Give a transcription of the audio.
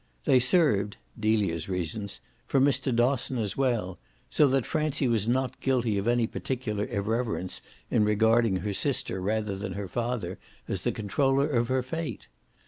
They served Delia's reasons for Mr. Dosson as well, so that Francie was not guilty of any particular irreverence in regarding her sister rather than her father as the controller of her fate.